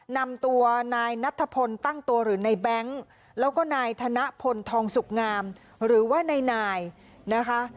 นำตัวนายนัทพลตั้งตัวหรือในแบงค์แล้วก็นายธนพลทองสุกงามหรือว่านายนะคะ